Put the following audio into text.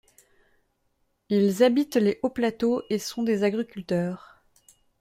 Ils habitent les hauts plateaux et sont des agriculteurs.